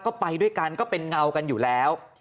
ก็ไปด้วยกันก็เป็นเงากันอยู่แล้ว